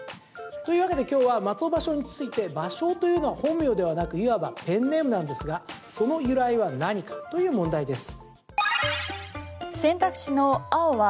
というわけで今日は松尾芭蕉について芭蕉というのは本名ではなくいわばペンネームなんですがその由来は何かという問題です。